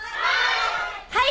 はい！